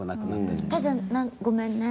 ただ、ごめんね。